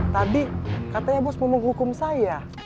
tadi katanya bos mau menghukum saya